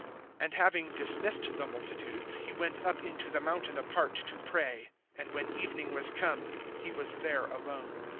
(23)And having dismissed the multitudes, he went up into the mountain apart to pray; and when evening was come, he was there alone.